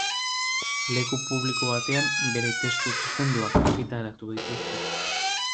Leku publiko batean bere testu zuzenduak argitaratu dituzte.